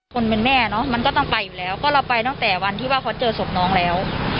คนเป็นแม่เนอะมันก็ต้องไปอยู่แล้วก็เราไปตั้งแต่วันที่ว่าเขาเจอศพน้องแล้ว